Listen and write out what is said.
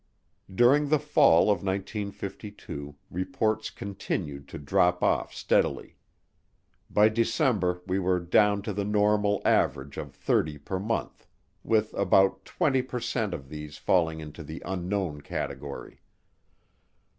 During the fall of 1952 reports continued to drop off steadily. By December we were down to the normal average of thirty per month, with about 20 per cent of these falling into the "Unknown" category.